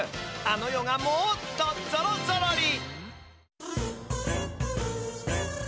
あの世がもっとぞろぞろり！